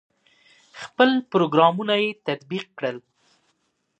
خپل پروګرامونه یې تطبیق کړل.